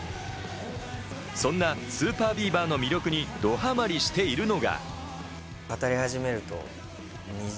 そんなＳＵＰＥＲＢＥＡＶＥＲの魅力にどハマりしているのが。